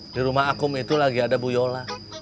di rumah akum itu lagi ada bu yola